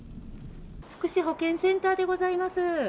福祉保健センターでございます。